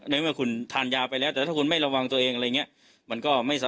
ในเมื่อคุณทานยาไปแล้วแต่ถ้าคุณไม่ระวังตัวเองอะไรอย่างนี้